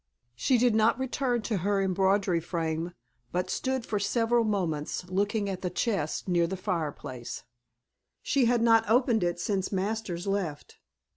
She did not return to her embroidery frame but stood for several moments looking at the chest near the fireplace. She had not opened it since Masters left.